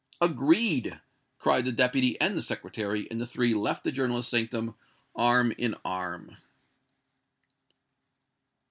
"Agreed!" cried the Deputy and the Secretary, and the three left the journalist's sanctum arm in arm.